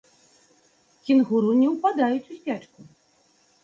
Кенгуру не ўпадаюць у спячку.